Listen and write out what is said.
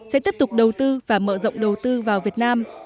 sẽ tiếp tục đầu tư và mở rộng đầu tư vào việt nam